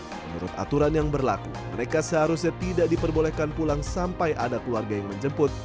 menurut aturan yang berlaku mereka seharusnya tidak diperbolehkan pulang sampai ada keluarga yang menjemput